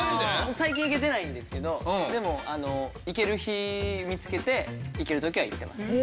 最近行けてないんですけどでも行ける日見つけて行ける時は行ってます。